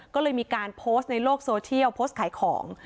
ก็เลยมีการโพสต์ในโลกโซเชียลโพสต์ขายของ